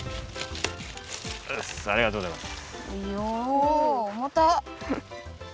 ありがとうございます。